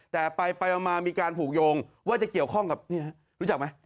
แต่ไปมามีการผูกโยงว่าจะเกี่ยวข้องกับรู้จักไหม